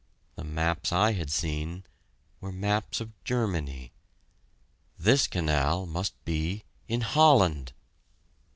The maps I had seen were maps of Germany. This canal must be in Holland!